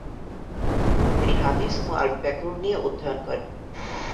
তিনি হাদিস ও আরবি ব্যাকরণ নিয়ে অধ্যয়ন করেন।